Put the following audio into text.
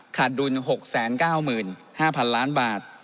ดุล๖๙๕๐๐๐ล้านบาท